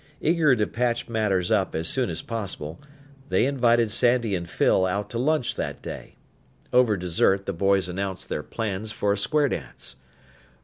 Eager to patch matters up as soon as possible, they invited Sandy and Phyl out to lunch that day. Over dessert, the boys announced their plans for a square dance.